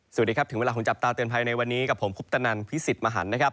สวัสดีครับถึงเวลาของจับตาเตือนภัยในวันนี้กับผมคุปตนันพิสิทธิ์มหันนะครับ